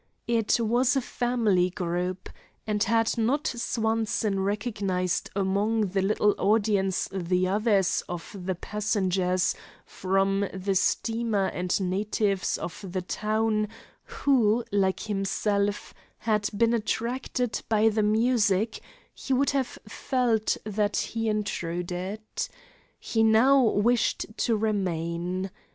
It was a family group, and had not Swanson recognized among the little audience others of the passengers from the steamer and natives of the town who, like himself, had been attracted by the music, he would have felt that he intruded. He now wished to remain.